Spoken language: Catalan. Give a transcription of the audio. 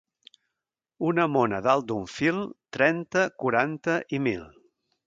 Una mona dalt d'un fil, trenta, quaranta i mil.